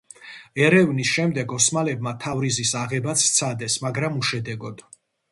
ერევნის შემდეგ ოსმალებმა თავრიზის აღებაც სცადეს, მაგრამ უშედეგოდ.